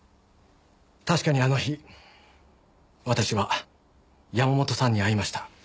確かにあの日私は山本さんに会いました。